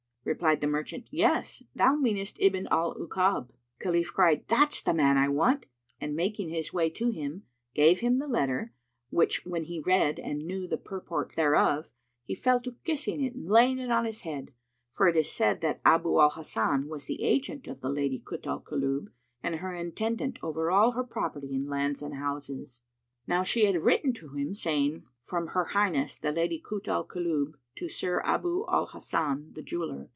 Replied the merchant, "Yes, thou meanest Ibn al Ukab." Khalif cried, "That's the man I want," and making his way to him, gave him the letter, which when he read and knew the purport thereof, he fell to kissing it and laying it on his head; for it is said that Abu al Hasan was the agent of the Lady Kut al Kulub and her intendant over all her property in lands and houses. Now she had written to him, saying, "From Her Highness the Lady Kut al Kulub to Sir Abu al Hasan the jeweller.